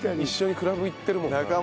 一緒にクラブ行ってるもんな。